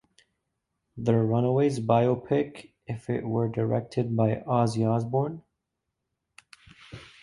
The Runaways biopic if it were directed by Ozzy Osbourne?